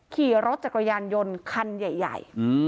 ขี่รถจักรยานยนต์คันใหญ่